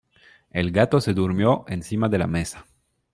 El gato se durmió encima de la mesa.